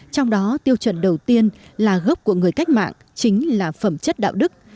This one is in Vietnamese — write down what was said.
trong đó tiêu chuẩn đầu tiên là gốc của người cách mạng chính là phẩm chất đạo đức